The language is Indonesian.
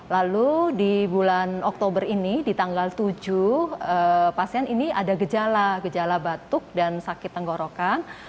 lalu di bulan oktober ini di tanggal tujuh pasien ini ada gejala gejala batuk dan sakit tenggorokan